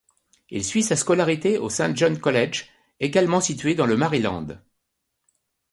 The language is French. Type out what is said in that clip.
Il suit sa scolarité au St John's College, également situé dans le Maryland.